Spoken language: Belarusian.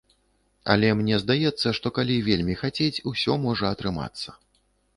Але мне здаецца, што калі вельмі хацець, усё можа атрымацца.